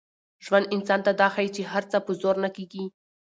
ژوند انسان ته دا ښيي چي هر څه په زور نه کېږي.